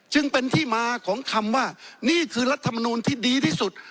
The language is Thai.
จึงเป็นที่มาของคำว่านี่คือรัฐมนูลที่ดีที่สุด